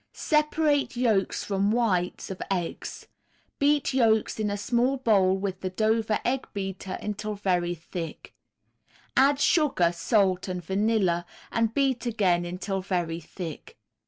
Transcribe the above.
Separate yolks from whites of eggs; beat yolks in a small bowl with the Dover egg beater until very thick; add sugar, salt and vanilla, and beat again until very thick.